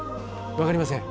分かりません。